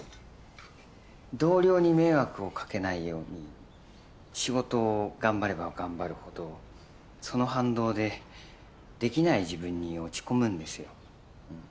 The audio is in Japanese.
同僚に迷惑をかけないように仕事を頑張れば頑張るほどその反動でできない自分に落ち込むんですよ。